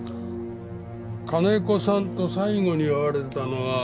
金子さんと最後に会われたのは？